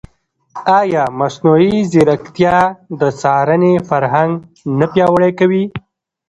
ایا مصنوعي ځیرکتیا د څارنې فرهنګ نه پیاوړی کوي؟